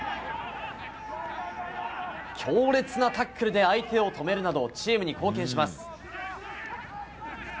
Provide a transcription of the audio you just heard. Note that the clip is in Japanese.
強烈なタックルで相手を止めるなどチームに貢献します。